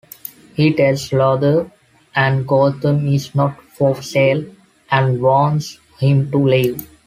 He tells Luthor that Gotham is not for sale, and warns him to leave.